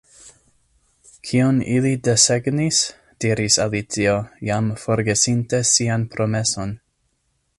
"Kion ili desegnis?" diris Alicio, jam forgesinte sian promeson.